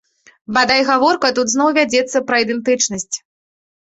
Бадай, гаворка тут зноў вядзецца пра ідэнтычнасць.